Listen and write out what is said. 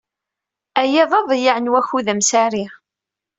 Aya d aḍeyyeɛ n wakud amsari.